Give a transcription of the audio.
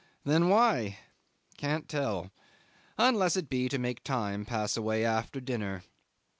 Then why? Can't tell unless it be to make time pass away after dinner.